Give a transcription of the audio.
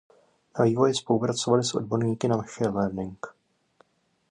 Na vývoji spolupracovali s odborníky na machine learning.